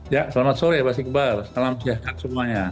ya selamat sore pak syakbar salam sihatkan semuanya